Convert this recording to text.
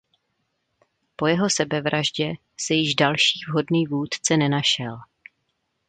Po jeho sebevraždě se již další vhodný vůdce nenašel.